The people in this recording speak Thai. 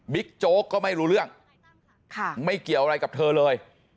โจ๊กก็ไม่รู้เรื่องไม่เกี่ยวอะไรกับเธอเลย